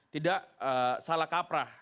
tidak salah kaprah